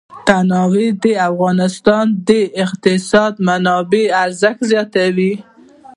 تنوع د افغانستان د اقتصادي منابعو ارزښت زیاتوي.